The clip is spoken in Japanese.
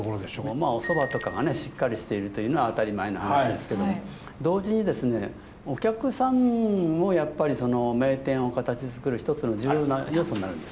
まあお蕎麦とかがねしっかりしてるというのは当たり前の話ですけど同時にですねお客さんもやっぱり名店を形づくる一つの重要な要素になるんです。